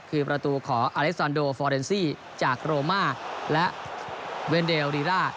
คือประตูของอเล็กซอนโดฟอร์เรนซี่จากโรมาและเวนเดลรีร่า